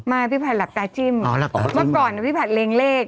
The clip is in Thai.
พี่ผัดหลับตาจิ้มเมื่อก่อนพี่ผัดเล็งเลข